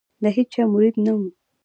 د هیچا مرید نه وو.